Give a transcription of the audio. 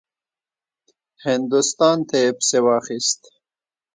هندوستان ته یې پسې واخیست.